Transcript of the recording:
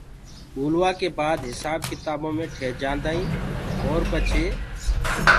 ٻولوآ ڪي بآد هسآب ڪتآبو مي ٺيجآندآئين اور پڇي